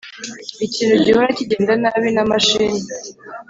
ikintu gihora kigenda nabi na mashini.